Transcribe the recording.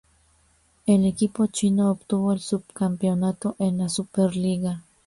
El equipo chino obtuvo el subcampeonato en la Superliga.